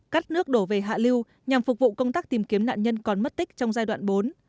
cắt nước đổ về hạ lưu nhằm phục vụ công tác tìm kiếm nạn nhân còn mất tích trong giai đoạn bốn